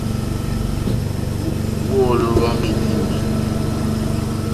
Wɔ́ɔ̌lɔ̀ wá má í kíŋɡɛ̀.